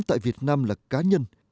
tại việt nam là cá nhân